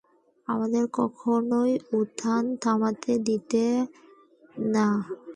আমাদের কখনোই উত্থানটা থামাতে দিতে না।